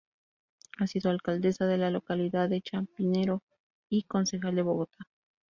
Ha sido alcaldesa de la localidad de Chapinero y concejal de Bogotá.